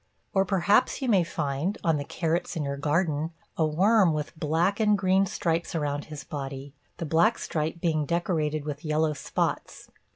Or perhaps you may find, on the carrots in your garden, a worm with black and green stripes around his body, the black stripe being decorated with yellow spots.